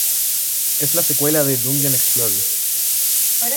Es la secuela de "Dungeon Explorer".